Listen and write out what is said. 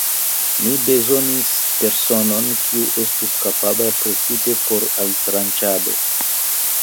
Mi bezonis personon, kiu estus kapabla precipe por altranĉado.